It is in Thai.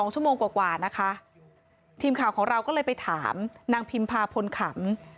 ชั่วโมงกว่านะคะทีมข่าวของเราก็เลยไปถามนางพิมพาพลขำ